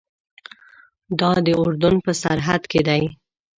دا د اردن په سرحد کې دی.